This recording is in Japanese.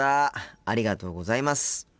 ありがとうございます。